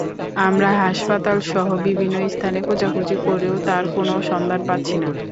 আমরা হাসপাতালসহ বিভিন্ন স্থানে খোঁজাখুঁজি করেও তাঁর কোনো সন্ধান পাচ্ছি না।